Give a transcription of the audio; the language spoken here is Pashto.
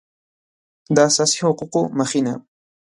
د اساسي حقوقو مخینه